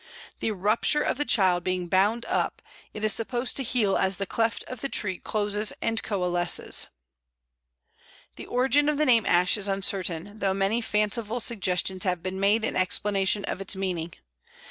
The rupture of the child being bound up, it is supposed to heal as the cleft of the tree closes and coalesces." The origin of the name Ash is uncertain, though many fanciful suggestions have been made in explanation of its meaning.